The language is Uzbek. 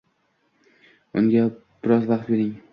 unga biroz vaqt bering.